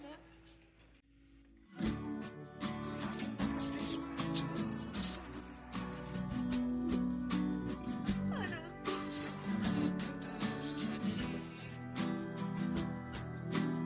yang terakhir dalam pengambilan